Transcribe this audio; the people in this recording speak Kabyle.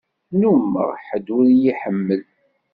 Nnumeɣ ḥedd ur y-iḥemmel.